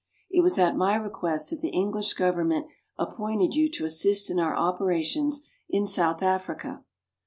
It was at my request that the English Government appointed you to assist in our operations in South Africa."